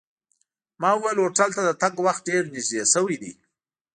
ما وویل هوټل ته د تګ وخت ډېر نږدې شوی دی.